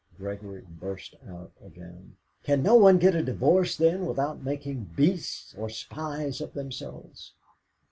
Gregory burst out again: "Can no one get a divorce, then, without making beasts or spies of themselves?"